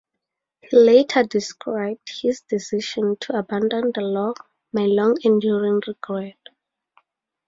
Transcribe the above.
He later described his decision to abandon the law "my long enduring regret".